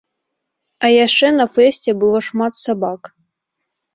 А яшчэ на фэсце было шмат сабак.